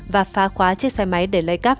và phá khóa chiếc xe máy để lấy cắp